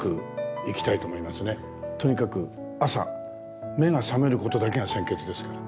とにかく朝目が覚めることだけが先決ですから。